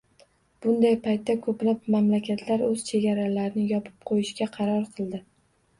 Bunday paytda ko‘plab mamlakatlar o‘z chegaralarini yopib qo‘yishga qaror qildi.